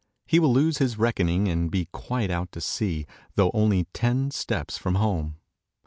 He will lose his reckoning and be quite out at sea, though only ten steps from home.